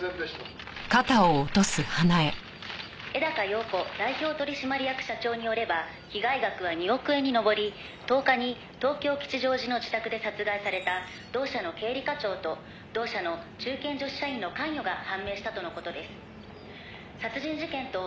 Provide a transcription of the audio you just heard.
「絵高陽子代表取締役社長によれば被害額は２億円に上り１０日に東京吉祥寺の自宅で殺害された同社の経理課長と同社の中堅女子社員の関与が判明したとの事です」